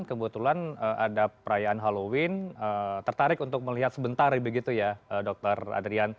kebetulan ada perayaan halloween tertarik untuk melihat sebentar begitu ya dokter adrian